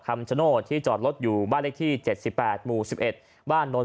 คำชโน่ที่จอดรถอยู่บ้านเลขที่เจ็ดสิบแปดหมู่สิบเอ็ดบ้านนวล